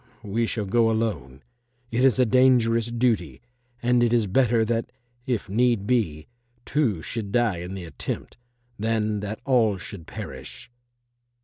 We shall go alone. It is a dangerous duty, and it is better that, if need be, two should die in the attempt, than that all should perish."